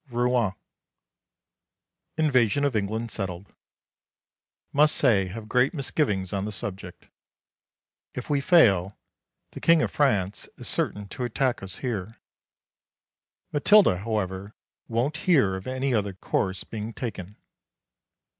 Rouen. Invasion of England settled. Must say have great misgivings on the subject. If we fail, the King of France is certain to attack us here. Matilda, however, won't hear of any other course being taken.